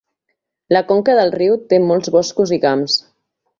La conca del riu té molts boscos i camps.